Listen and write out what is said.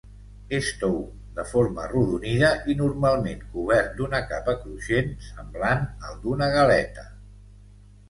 És tou, de forma arrodonida i normalment cobert d'una capa cruixent, semblant al d'una galeta.